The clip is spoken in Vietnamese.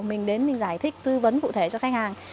mình đến mình giải thích tư vấn cụ thể cho khách hàng